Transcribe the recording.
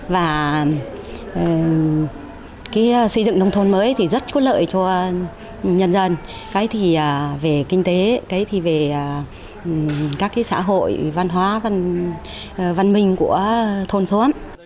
cái xây dựng nông thôn mới thì rất có lợi cho nhân dân cái thì về kinh tế cái thì về các cái xã hội văn hóa văn minh của thôn số